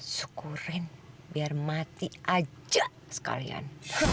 syukurin biar mati aja sekalian